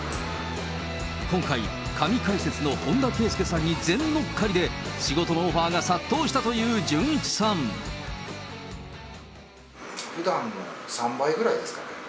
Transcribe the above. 今回、神解説の本田圭佑さんに全乗っかりで、仕事のオファーが殺到したふだんの３倍ぐらいですかね。